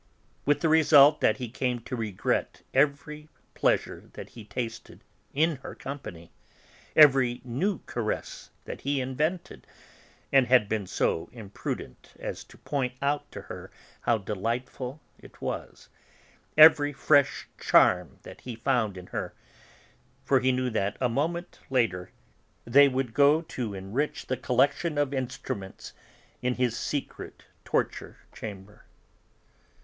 With the result that he came to regret every pleasure that he tasted in her company, every new caress that he invented (and had been so imprudent as to point out to her how delightful it was), every fresh charm that he found in her, for he knew that, a moment later, they would go to enrich the collection of instruments in his secret torture chamber.